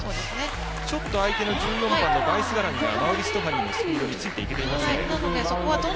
ちょっと相手の１４番のバイスガランが馬瓜ステファニーのスピードについていけないですね。